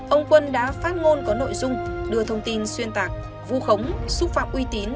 ông quân đã phát ngôn có nội dung đưa thông tin xuyên tạc vu khống xúc phạm uy tín